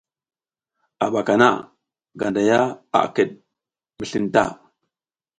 A ɓaka na Ganday a kiɗ mi slin ta.